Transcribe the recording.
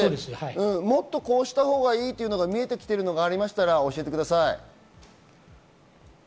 もっとこうしたほうがいいですというのが見えてきていたら教えてください。